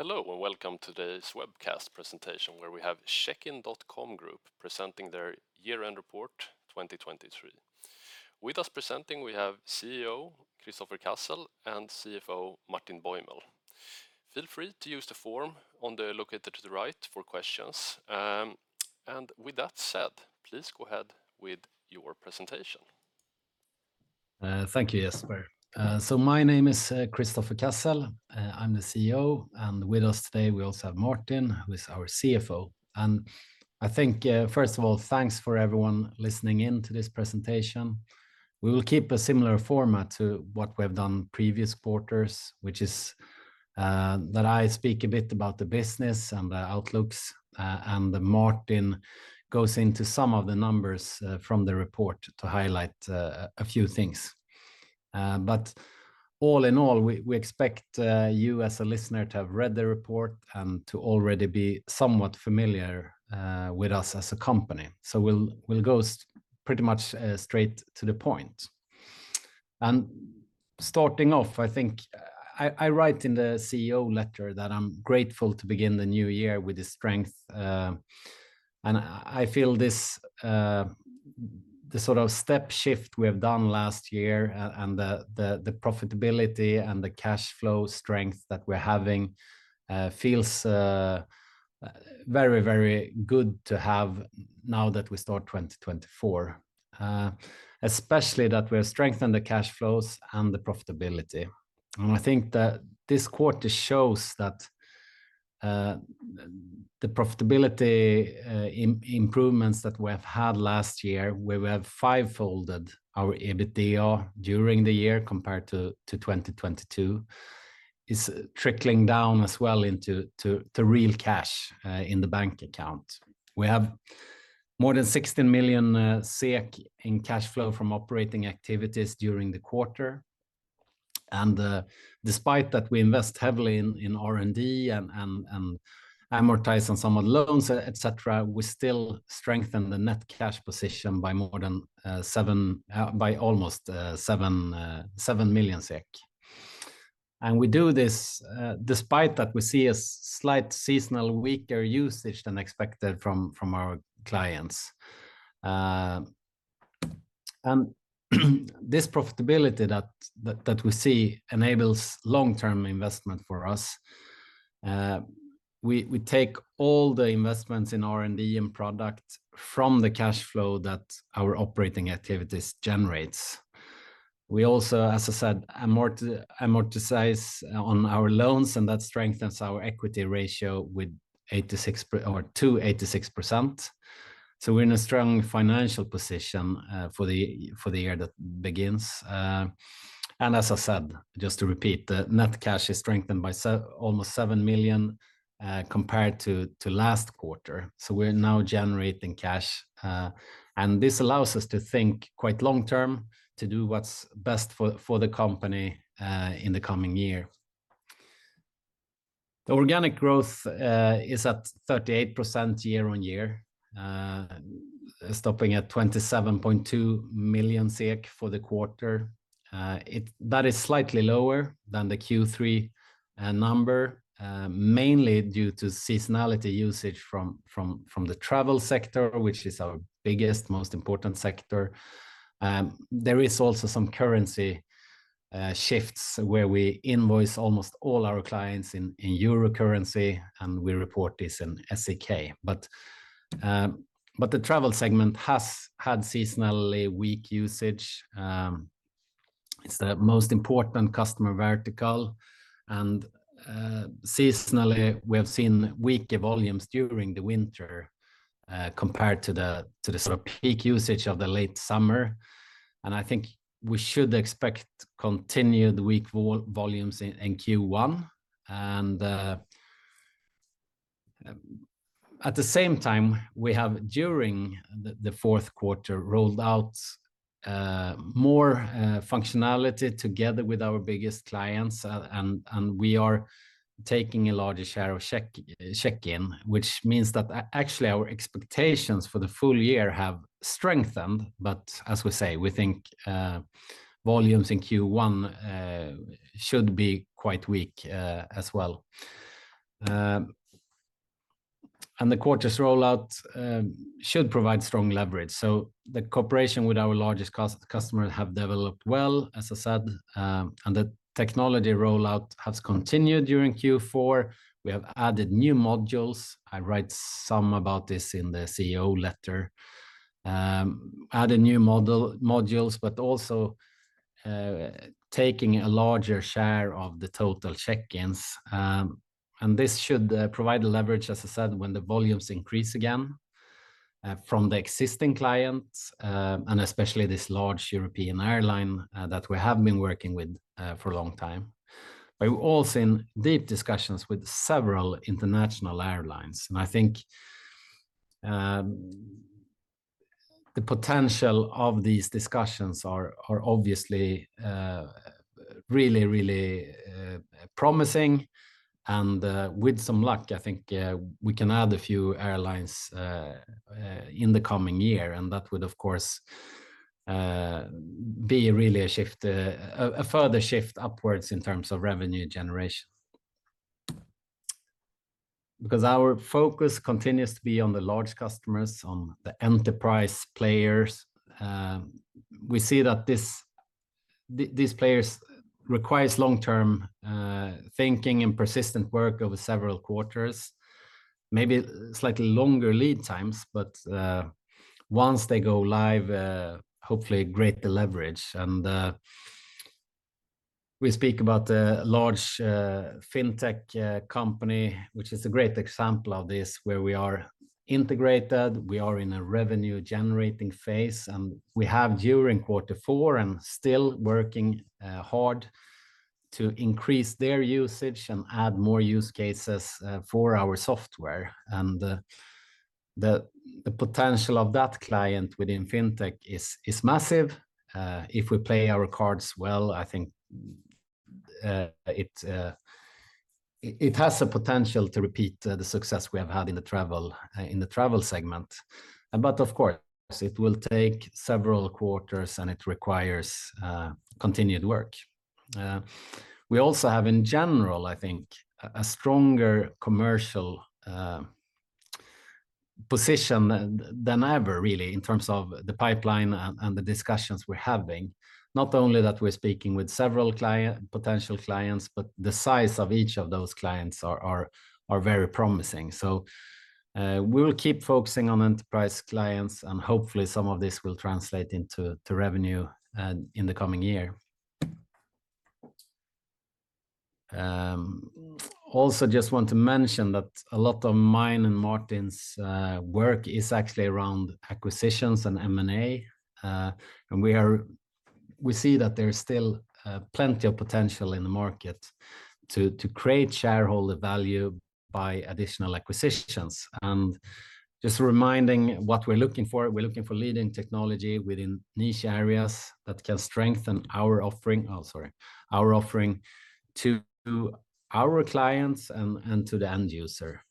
Hello and Welcome to Today's Webcast Presentation where we have Checkin.com Group Presenting their Year-End Report 2023. With us presenting, we have CEO Kristoffer Cassel and CFO Martin Bäuml. Feel free to use the form on the locator to the right for questions. With that said, please go ahead with your presentation. Thank you, Jesper. So my name is Kristoffer Cassel. I'm the CEO, and with us today we also have Martin, who is our CFO. And I think, first of all, thanks for everyone listening in to this presentation. We will keep a similar format to what we have done previous quarters, which is that I speak a bit about the business and the outlooks, and Martin goes into some of the numbers from the report to highlight a few things. But all in all, we expect you as a listener to have read the report and to already be somewhat familiar with us as a company. So we'll go pretty much straight to the point. And starting off, I think I write in the CEO letter that I'm grateful to begin the new year with this strength. I feel this sort of step shift we have done last year and the profitability and the cash flow strength that we're having feels very, very good to have now that we start 2024, especially that we have strengthened the cash flows and the profitability. I think that this quarter shows that the profitability improvements that we have had last year, where we have fivefolded our EBITDA during the year compared to 2022, is trickling down as well into real cash in the bank account. We have more than 16 million SEK in cash flow from operating activities during the quarter. Despite that we invest heavily in R&D and amortize on some of the loans, etc., we still strengthen the net cash position by almost 7 million SEK. We do this despite that we see a slight seasonal weaker usage than expected from our clients. This profitability that we see enables long-term investment for us. We take all the investments in R&D and product from the cash flow that our operating activities generate. We also, as I said, amortize on our loans, and that strengthens our equity ratio with to 86%. We're in a strong financial position for the year that begins. As I said, just to repeat, the net cash is strengthened by almost 7 million compared to last quarter. We're now generating cash. This allows us to think quite long-term, to do what's best for the company in the coming year. The organic growth is at 38% year-on-year, stopping at 27.2 million SEK for the quarter. That is slightly lower than the Q3 number, mainly due to seasonality usage from the travel sector, which is our biggest, most important sector. There is also some currency shifts where we invoice almost all our clients in euro currency, and we report this in SEK. The travel segment has had seasonally weak usage. It's the most important customer vertical. Seasonally, we have seen weaker volumes during the winter compared to the sort of peak usage of the late summer. I think we should expect continued weak volumes in Q1. At the same time, we have, during the fourth quarter, rolled out more functionality together with our biggest clients, and we are taking a larger share of check-in, which means that actually our expectations for the full year have strengthened. As we say, we think volumes in Q1 should be quite weak as well. The quarter's rollout should provide strong leverage. The cooperation with our largest customers has developed well, as I said. The technology rollout has continued during Q4. We have added new modules. I write some about this in the CEO letter. Added new modules, but also taking a larger share of the total check-ins. This should provide leverage, as I said, when the volumes increase again from the existing clients, and especially this large European airline that we have been working with for a long time. We've also been in deep discussions with several international airlines. I think the potential of these discussions are obviously really, really promising. With some luck, I think we can add a few airlines in the coming year. That would, of course, be really a further shift upwards in terms of revenue generation. Because our focus continues to be on the large customers, on the enterprise players. We see that these players require long-term thinking and persistent work over several quarters, maybe slightly longer lead times. But once they go live, hopefully, great, the leverage. And we speak about a large fintech company, which is a great example of this, where we are integrated. We are in a revenue-generating phase. And we have, during quarter four, and still working hard to increase their usage and add more use cases for our software. And the potential of that client within fintech is massive. If we play our cards well, I think it has the potential to repeat the success we have had in the travel segment. But of course, it will take several quarters, and it requires continued work. We also have, in general, I think, a stronger commercial position than ever, really, in terms of the pipeline and the discussions we're having. Not only that we're speaking with several potential clients, but the size of each of those clients are very promising. So we will keep focusing on enterprise clients, and hopefully some of this will translate into revenue in the coming year. Also, just want to mention that a lot of mine and Martin's work is actually around acquisitions and M&A. We see that there's still plenty of potential in the market to create shareholder value by additional acquisitions. Just reminding what we're looking for, we're looking for leading technology within niche areas that can strengthen our offering, oh, sorry, our offering to our clients and to the end user.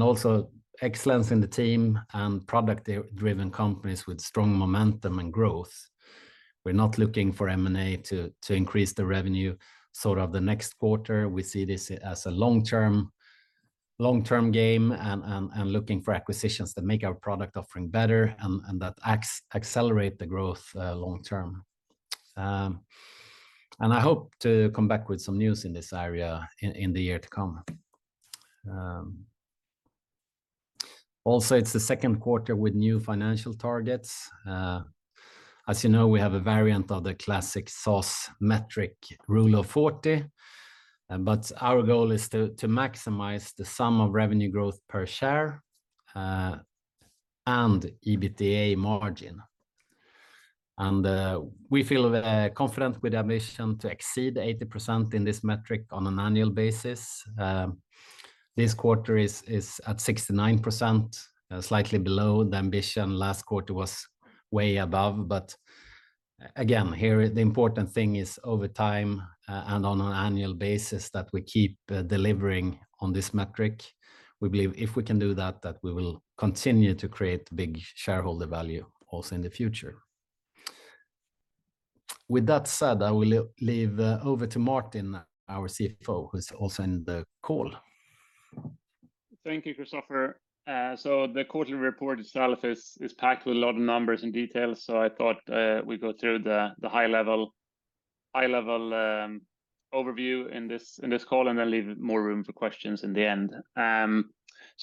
Also excellence in the team and product-driven companies with strong momentum and growth. We're not looking for M&A to increase the revenue sort of the next quarter. We see this as a long-term game and looking for acquisitions that make our product offering better and that accelerate the growth long-term. I hope to come back with some news in this area in the year to come. Also, it's the second quarter with new financial targets. As you know, we have a variant of the classic SaaS metric, Rule of 40. Our goal is to maximize the sum of revenue growth per share and EBITDA margin. We feel confident with the ambition to exceed 80% in this metric on an annual basis. This quarter is at 69%, slightly below the ambition. Last quarter was way above. But again, here the important thing is over time and on an annual basis that we keep delivering on this metric. We believe if we can do that, that we will continue to create big shareholder value also in the future. With that said, I will hand over to Martin, our CFO, who's also in the call. Thank you, Kristoffer. The quarterly report itself is packed with a lot of numbers and details. I thought we'd go through the high-level overview in this call and then leave more room for questions in the end.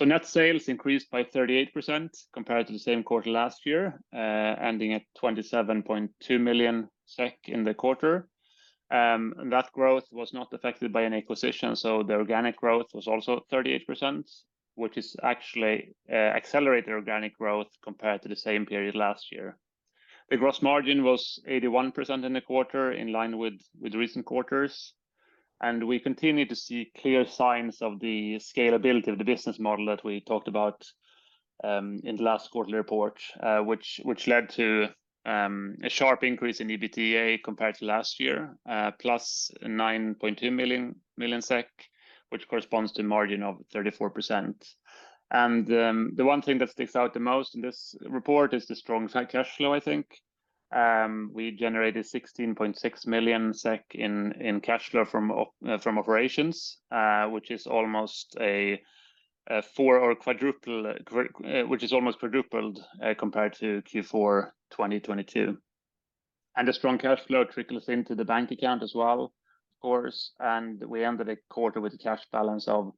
Net sales increased by 38% compared to the same quarter last year, ending at 27.2 million SEK in the quarter. That growth was not affected by any acquisition. The organic growth was also 38%, which has actually accelerated organic growth compared to the same period last year. The gross margin was 81% in the quarter in line with recent quarters. We continue to see clear signs of the scalability of the business model that we talked about in the last quarterly report, which led to a sharp increase in EBITDA compared to last year, plus 9.2 million SEK, which corresponds to a margin of 34%. The one thing that sticks out the most in this report is the strong cash flow, I think. We generated 16.6 million SEK in cash flow from operations, which is almost a four or quadrupled—which is almost quadrupled compared to Q4 2022. The strong cash flow trickles into the bank account as well, of course. We ended the quarter with a cash balance of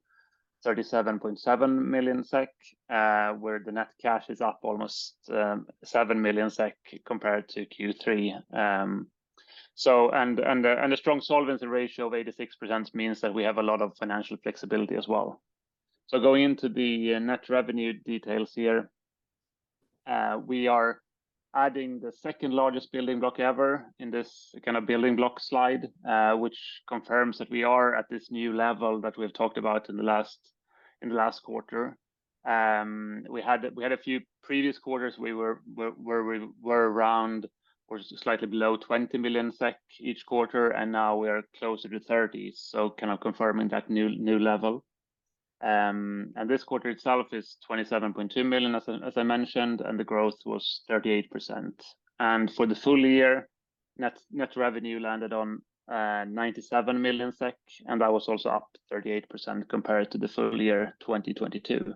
37.7 million SEK, where the net cash is up almost 7 million SEK compared to Q3. The strong solvency ratio of 86% means that we have a lot of financial flexibility as well. So going into the net revenue details here, we are adding the second largest building block ever in this kind of building block slide, which confirms that we are at this new level that we've talked about in the last quarter. We had a few previous quarters where we were around or slightly below 20 million SEK each quarter, and now we are closer to 30 million, so kind of confirming that new level. This quarter itself is 27.2 million, as I mentioned, and the growth was 38%. For the full year, net revenue landed on 97 million SEK, and that was also up 38% compared to the full year 2022.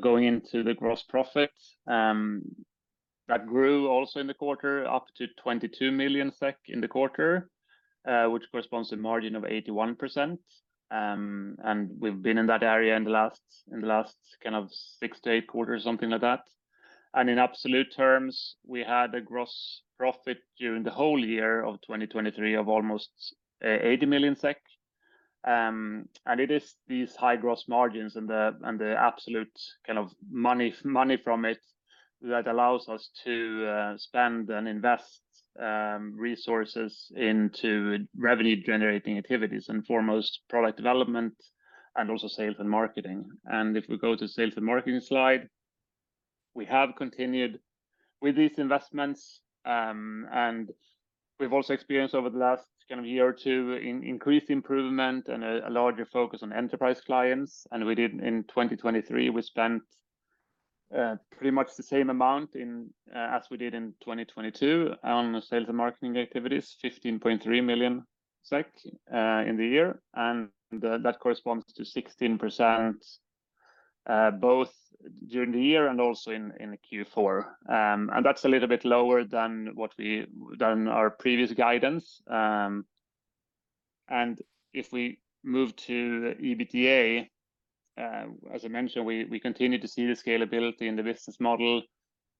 Going into the gross profit, that grew also in the quarter up to 22 million SEK in the quarter, which corresponds to a margin of 81%. We've been in that area in the last kind of six to eight quarters, something like that. In absolute terms, we had a gross profit during the whole year of 2023 of almost 80 million SEK. It is these high gross margins and the absolute kind of money from it that allows us to spend and invest resources into revenue-generating activities, and foremost product development and also sales and marketing. If we go to the sales and marketing slide, we have continued with these investments. We've also experienced over the last kind of year or two increased improvement and a larger focus on enterprise clients. In 2023, we spent pretty much the same amount as we did in 2022 on sales and marketing activities, 15.3 million SEK in the year. That corresponds to 16% both during the year and also in Q4. That's a little bit lower than our previous guidance. If we move to EBITDA, as I mentioned, we continue to see the scalability in the business model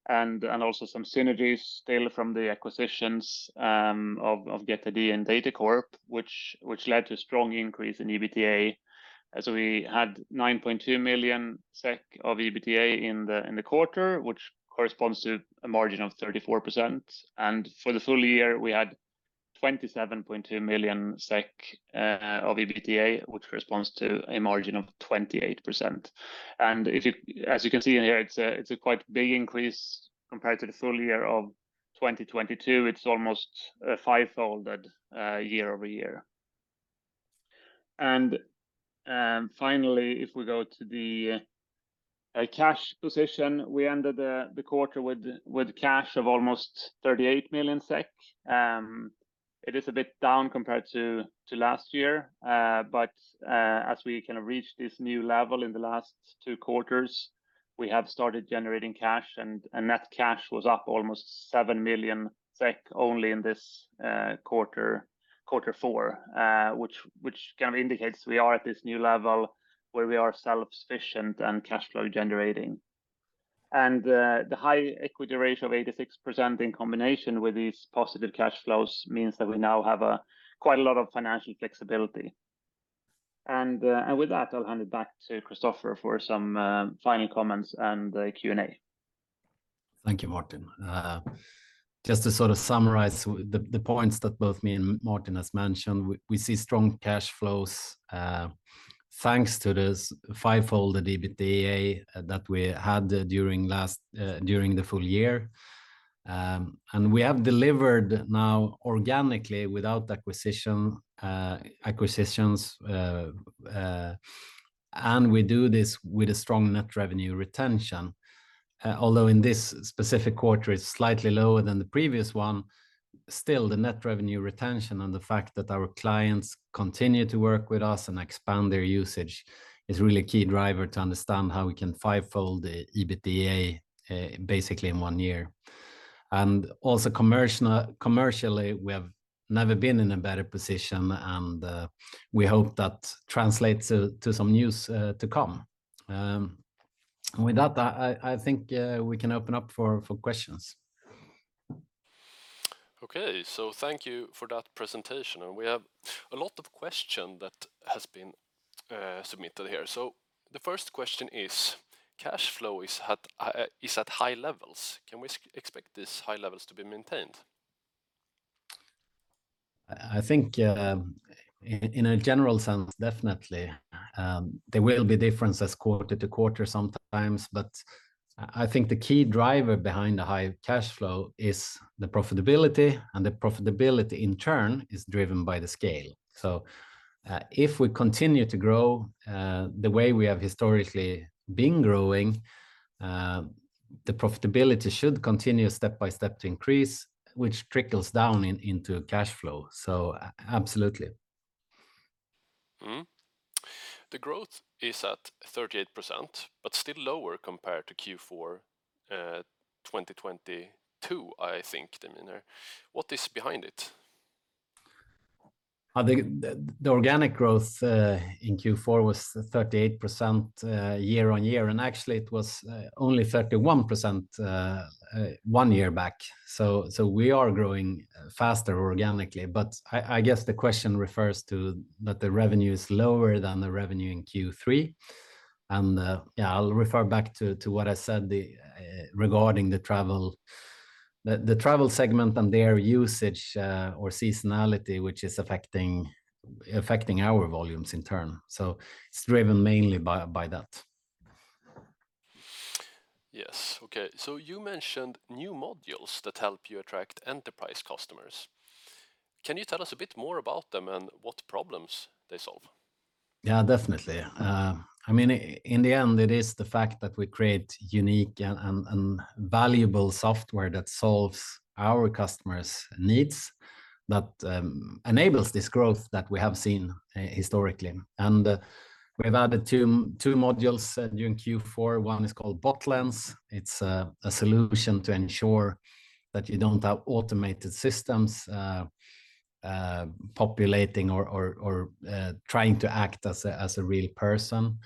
and also some synergies still from the acquisitions of GetID and Datacorp, which led to a strong increase in EBITDA. We had 9.2 million SEK of EBITDA in the quarter, which corresponds to a margin of 34%. For the full year, we had 27.2 million SEK of EBITDA, which corresponds to a margin of 28%. As you can see in here, it's a quite big increase compared to the full year of 2022. It's almost a five-folded year-over-year. Finally, if we go to the cash position, we ended the quarter with cash of almost 38 million SEK. It is a bit down compared to last year. As we kind of reached this new level in the last two quarters, we have started generating cash. Net cash was up almost 7 million SEK only in this quarter, quarter four, which kind of indicates we are at this new level where we are self-sufficient and cash flow-generating. The high equity ratio of 86% in combination with these positive cash flows means that we now have quite a lot of financial flexibility. With that, I'll hand it back to Kristoffer for some final comments and Q&A. Thank you, Martin. Just to sort of summarize the points that both me and Martin have mentioned, we see strong cash flows thanks to this five-folded EBITDA that we had during the full year. We have delivered now organically without acquisitions. We do this with a strong net revenue retention. Although in this specific quarter, it's slightly lower than the previous one, still, the net revenue retention and the fact that our clients continue to work with us and expand their usage is really a key driver to understand how we can five-fold the EBITDA basically in one year. Also, commercially, we have never been in a better position. We hope that translates to some news to come. With that, I think we can open up for questions. Okay. Thank you for that presentation. We have a lot of questions that have been submitted here. The first question is, cash flow is at high levels. Can we expect these high levels to be maintained? I think in a general sense, definitely. There will be differences quarter to quarter sometimes. But I think the key driver behind the high cash flow is the profitability. And the profitability, in turn, is driven by the scale. So if we continue to grow the way we have historically been growing, the profitability should continue step by step to increase, which trickles down into cash flow. So absolutely. The growth is at 38%, but still lower compared to Q4 2022, I think they mean there. What is behind it? The organic growth in Q4 was 38% year-on-year. Actually, it was only 31% one year back. We are growing faster organically. But I guess the question refers to that the revenue is lower than the revenue in Q3. Yeah, I'll refer back to what I said regarding the travel segment and their usage or seasonality, which is affecting our volumes in turn. It's driven mainly by that. Yes. Okay. So you mentioned new modules that help you attract enterprise customers. Can you tell us a bit more about them and what problems they solve? Yeah, definitely. I mean, in the end, it is the fact that we create unique and valuable software that solves our customers' needs that enables this growth that we have seen historically. We have added two modules during Q4. One is called BotLens. It's a solution to ensure that you don't have automated systems populating or trying to act as a real person.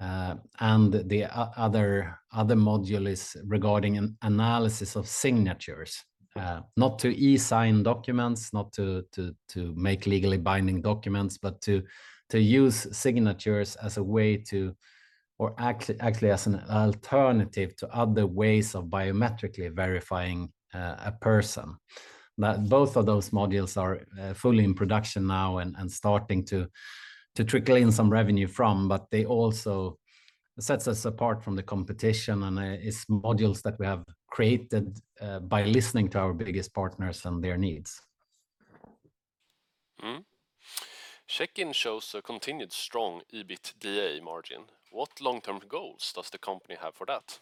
The other module is regarding analysis of signatures, not to e-sign documents, not to make legally binding documents, but to use signatures as a way to or actually as an alternative to other ways of biometrically verifying a person. Both of those modules are fully in production now and starting to trickle in some revenue from. They also set us apart from the competition. It's modules that we have created by listening to our biggest partners and their needs. Checkin shows a continued strong EBITDA margin. What long-term goals does the company have for that?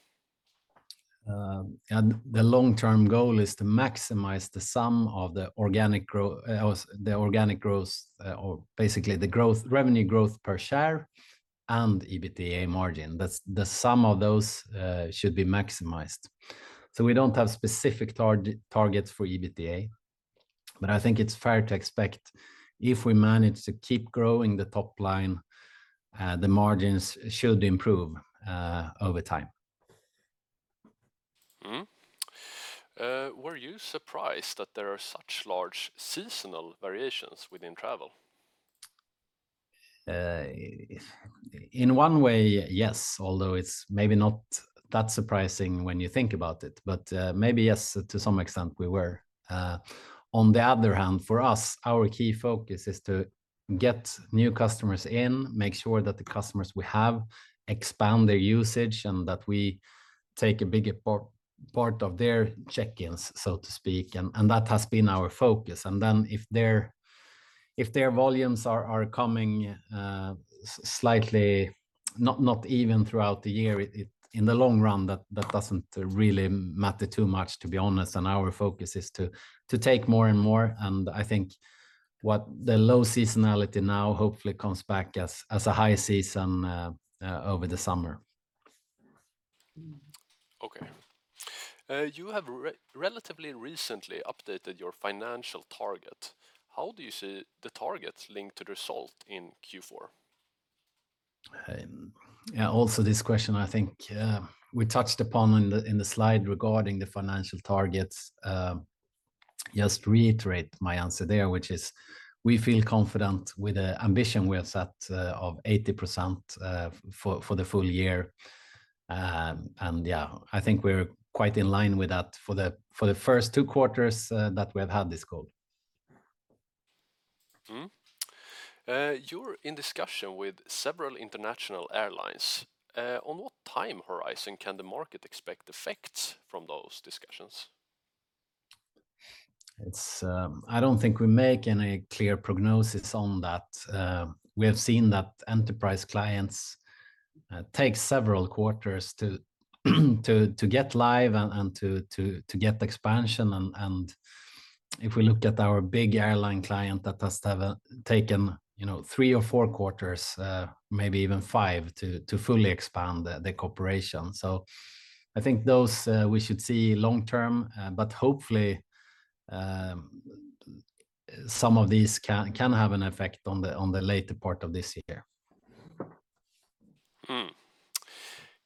The long-term goal is to maximize the sum of the organic growth or basically the revenue growth per share and EBITDA margin. The sum of those should be maximized. So we don't have specific targets for EBITDA. But I think it's fair to expect if we manage to keep growing the top line, the margins should improve over time. Were you surprised that there are such large seasonal variations within travel? In one way, yes, although it's maybe not that surprising when you think about it. But maybe, yes, to some extent, we were. On the other hand, for us, our key focus is to get new customers in, make sure that the customers we have expand their usage, and that we take a bigger part of their check-ins, so to speak. And that has been our focus. And then if their volumes are coming slightly not even throughout the year, in the long run, that doesn't really matter too much, to be honest. And our focus is to take more and more. And I think the low seasonality now hopefully comes back as a high season over the summer. Okay. You have relatively recently updated your financial target. How do you see the targets linked to the result in Q4? Yeah, also this question, I think we touched upon in the slide regarding the financial targets. Just reiterate my answer there, which is we feel confident with the ambition we have set of 80% for the full year. And yeah, I think we're quite in line with that for the first two quarters that we have had this goal. You're in discussion with several international airlines. On what time horizon can the market expect effects from those discussions? I don't think we make any clear prognosis on that. We have seen that enterprise clients take several quarters to get live and to get expansion. And if we look at our big airline client, that has taken three or four quarters, maybe even five, to fully expand the corporation. So I think those we should see long term. But hopefully, some of these can have an effect on the later part of this year.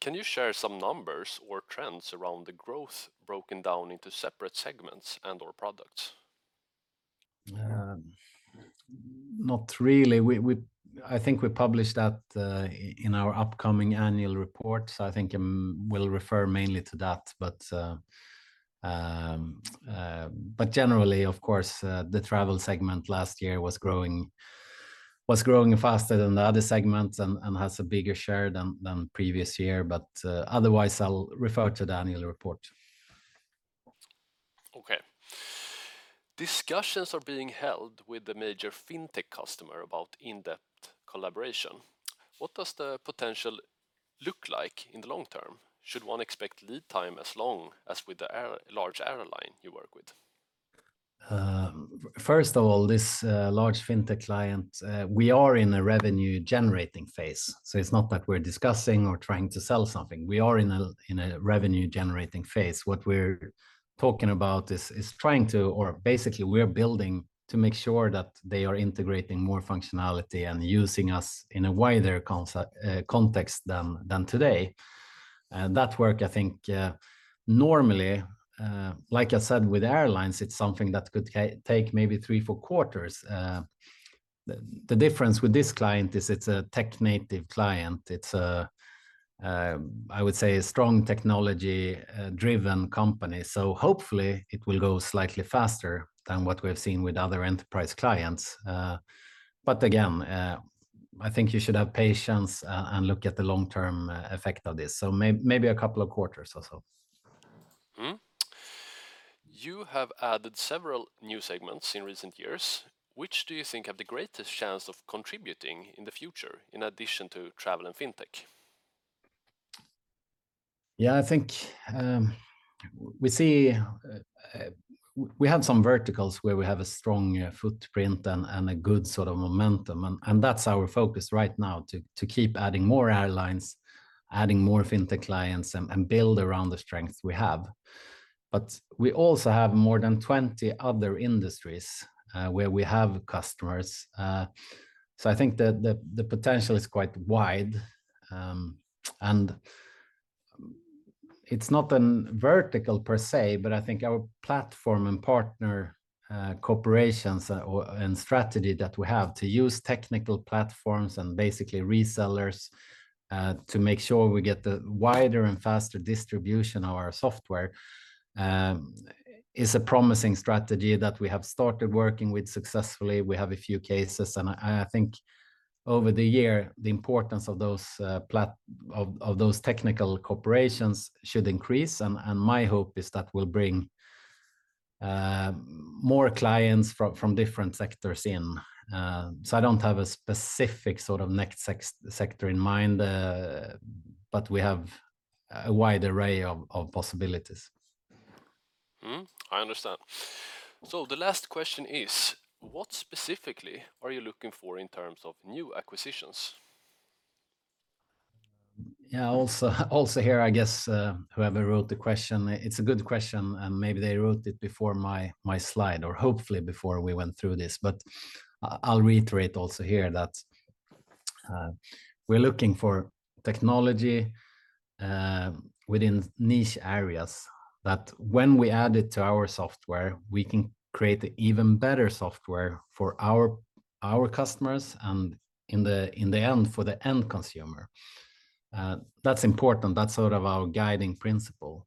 Can you share some numbers or trends around the growth broken down into separate segments and/or products? Not really. I think we published that in our upcoming annual report. So I think I will refer mainly to that. But generally, of course, the travel segment last year was growing faster than the other segments and has a bigger share than previous year. But otherwise, I'll refer to the annual report. Okay. Discussions are being held with the major fintech customer about in-depth collaboration. What does the potential look like in the long term? Should one expect lead time as long as with the large airline you work with? First of all, this large fintech client, we are in a revenue-generating phase. So it's not that we're discussing or trying to sell something. We are in a revenue-generating phase. What we're talking about is trying to or basically, we're building to make sure that they are integrating more functionality and using us in a wider context than today. And that work, I think, normally, like I said, with airlines, it's something that could take maybe three-four quarters. The difference with this client is it's a tech-native client. It's, I would say, a strong technology-driven company. So hopefully, it will go slightly faster than what we have seen with other enterprise clients. But again, I think you should have patience and look at the long-term effect of this. So maybe a couple of quarters or so. You have added several new segments in recent years. Which do you think have the greatest chance of contributing in the future in addition to travel and fintech? Yeah, I think we see we have some verticals where we have a strong footprint and a good sort of momentum. And that's our focus right now, to keep adding more airlines, adding more fintech clients, and build around the strengths we have. But we also have more than 20 other industries where we have customers. So I think the potential is quite wide. And it's not a vertical per se, but I think our platform and partner corporations and strategy that we have to use technical platforms and basically resellers to make sure we get the wider and faster distribution of our software is a promising strategy that we have started working with successfully. We have a few cases. And I think over the year, the importance of those technical corporations should increase. And my hope is that will bring more clients from different sectors in. I don't have a specific sort of next sector in mind. But we have a wide array of possibilities. I understand. So the last question is, what specifically are you looking for in terms of new acquisitions? Yeah, also here, I guess whoever wrote the question, it's a good question. And maybe they wrote it before my slide or hopefully before we went through this. But I'll reiterate also here that we're looking for technology within niche areas that when we add it to our software, we can create even better software for our customers and in the end, for the end consumer. That's important. That's sort of our guiding principle.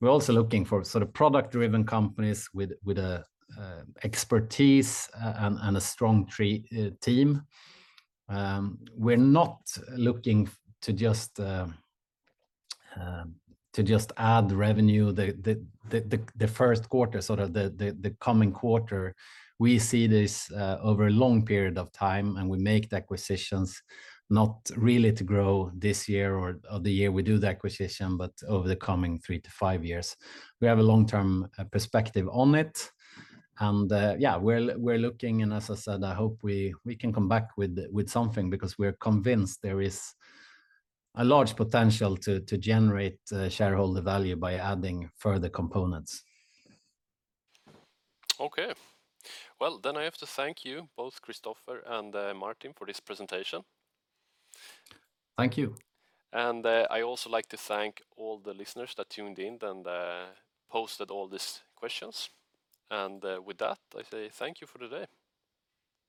We're also looking for sort of product-driven companies with expertise and a strong team. We're not looking to just add revenue the first quarter, sort of the coming quarter. We see this over a long period of time. And we make the acquisitions not really to grow this year or the year we do the acquisition, but over the coming three to five years. We have a long-term perspective on it. And yeah, we're looking. As I said, I hope we can come back with something because we're convinced there is a large potential to generate shareholder value by adding further components. Okay. Well, then I have to thank you, both Kristoffer and Martin, for this presentation. Thank you. I also like to thank all the listeners that tuned in and posted all these questions. With that, I say thank you for today.